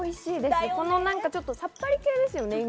意外とさっぱり系ですよね。